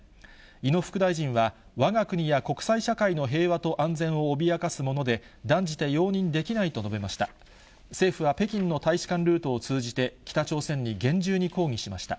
井野副大臣は、わが国や国際社会の平和と安全を脅かすもので、断じて容認できないと述べました。